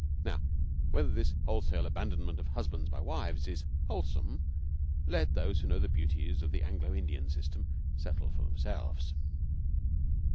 Now whether this wholesale abandonment of husbands by wives is wholesome let those who know the beauties of the Anglo Indian system settle for themselves.